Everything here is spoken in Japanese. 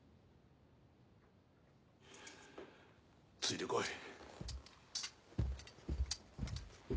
ついて来い。